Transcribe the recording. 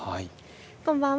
こんばんは。